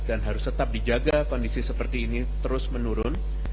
dan harus tetap dijaga kondisi seperti ini terus menurun